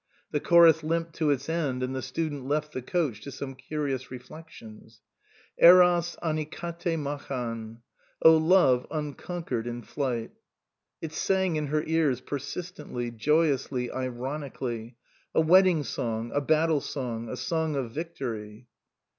" The chorus limped to its end and the student left the coach to some curious reflections. " Eros anikate machan !"" Oh Love, unconquered in fight !" It sang in her ears persistently, joyously, ironically a wedding song, a battle song, a song of victory.